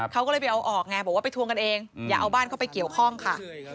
เขาก็เลยไปเอาออกไงบอกว่าไปทวงกันเองอย่าเอาบ้านเข้าไปเกี่ยวข้องค่ะ